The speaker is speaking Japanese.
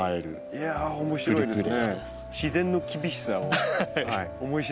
いや面白いですね。